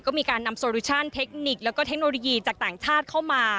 ก็มีการนำโซลูชั่นเทคนิคแล้วก็เทคโนโลยีจากต่างชาติเข้ามา